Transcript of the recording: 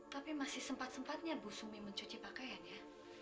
tapi masih sempat sempatnya bu sumi mencuci pakaiannya